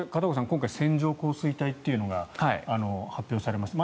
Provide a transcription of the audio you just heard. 今回、線状降水帯というのが発表されました。